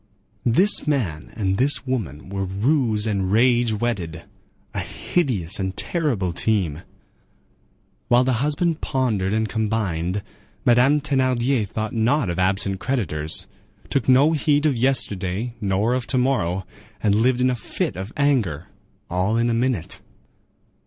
This man and this woman were ruse and rage wedded—a hideous and terrible team. While the husband pondered and combined, Madame Thénardier thought not of absent creditors, took no heed of yesterday nor of to morrow, and lived in a fit of anger, all in a minute.